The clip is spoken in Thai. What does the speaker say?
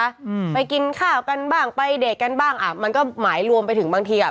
อืมไปกินข้าวกันบ้างไปเด็กกันบ้างอ่ะมันก็หมายรวมไปถึงบางทีอ่ะ